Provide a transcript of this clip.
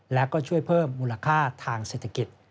และก็ช่วยเพิ่มมูลค่าทางเศรษฐกิจ